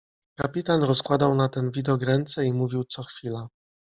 Kapitan rozkładał na ten widok ręce i mówił co chwila.